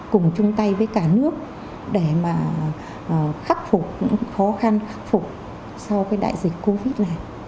cùng chung tay với cả nước để mà khắc phục những khó khăn khắc phục sau cái đại dịch covid này